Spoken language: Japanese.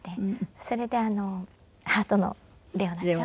それでハートのレオナちゃん。